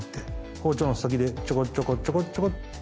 包丁の先でちょこちょこちょこちょこ。